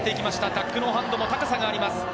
タックノーハンドも高さがあります。